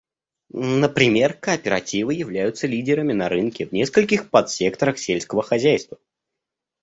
Например, кооперативы являются лидерами на рынке в нескольких подсекторах сельского хозяйства.